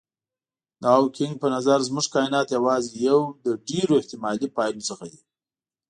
د هاوکېنګ په نظر زموږ کاینات یوازې یو له ډېرو احتمالي پایلو څخه دی.